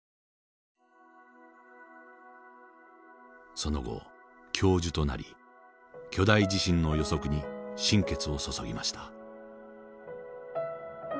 その後教授となり巨大地震の予測に心血を注ぎました。